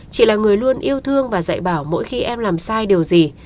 chị là người luôn yêu thương và dạy bảo mỗi khi em làm sai điều gì